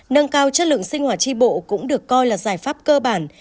nâng cao chất lượng sinh hỏa tri bộ cũng được coi là giải pháp cơ bản